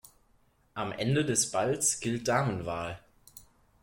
Am Ende des Balls gilt Damenwahl.